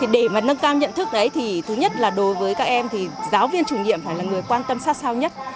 để mà nâng cao nhận thức đấy thì thứ nhất là đối với các em thì giáo viên chủ nhiệm phải là người quan tâm sát sao nhất